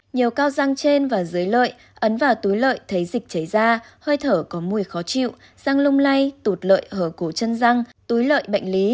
nhiều cao răng trên và dưới lợi ấn vào túi lợi thấy dịch chảy ra hơi thở có mùi khó chịu răng lung lay tụt lợi ở cổ chân răng túi lợi bệnh lý